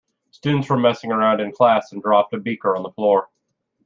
Students were messing around in class and dropped a beaker on the floor.